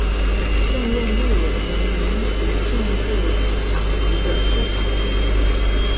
现任立委为民主进步党籍的苏巧慧。